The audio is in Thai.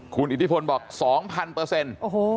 คุณอิทธิพลบอกสองพันเปอร์เซ็นต์โอ้โห